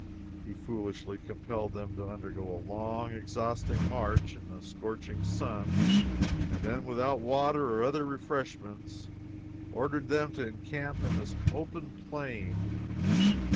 He foolishly compelled them to undergo a long, exhausting march, in the scorching sun, and then, without water or other refreshment, ordered them to encamp in this open plain.